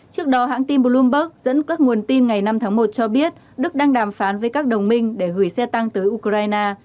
trước đó hãng tin bloomberg dẫn các nguồn tin ngày năm tháng một cho biết đức đang đàm phán với các đồng minh để gửi xe tăng tới ukraine